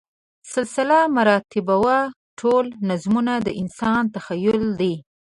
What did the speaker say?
سلسله مراتبو ټول نظمونه د انسان تخیل دی.